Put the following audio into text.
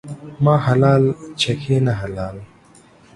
ما حلال ، چکي نه حلال.